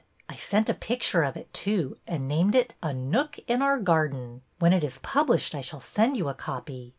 I sent a picture of it, too, and named it, A Nook in Our Garden." When it is published I shall send you a copy.